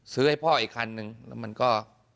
ให้พ่ออีกคันนึงแล้วมันก็